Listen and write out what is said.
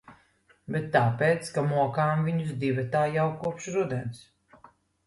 Bet tāpēc, ka mokām viņus divatā jau kopš rudens.